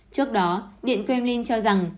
trước đó điện kremlin cho rằng